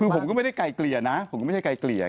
คือผมก็ไม่ได้ไกลเกลี่ยนะผมก็ไม่ใช่ไกลเกลี่ย